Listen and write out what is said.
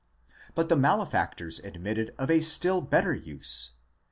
But the malefactors admitted of a still better use.